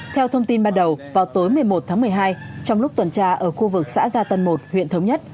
theo thông tin ban đầu vào tối một mươi một tháng một mươi hai trong lúc tuần tra ở khu vực xã gia tân một huyện thống nhất